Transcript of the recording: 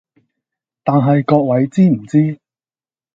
但係各位知唔知